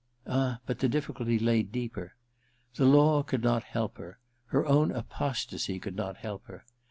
Ah, but the difficulty lay deeper ! The law could not help her — her own apostasy could not help her.